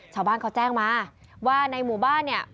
ชาวบ้านเขาแจ้งมาว่าในหมู่บ้านเนี่ย